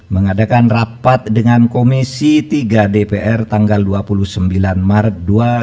mengadakan rapat dengan komisi tiga dpr tanggal dua puluh sembilan maret dua ribu dua puluh